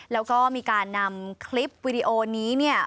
แล้วก็มีการนำคลิปวิดีโอนี้เนี่ย